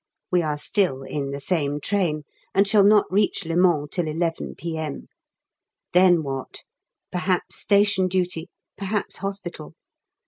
We are still in the same train, and shall not reach Le Mans till 11 P.M. Then what? Perhaps Station Duty, perhaps Hospital.